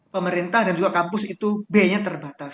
pemerintah dan juga kampus itu biayanya terbatas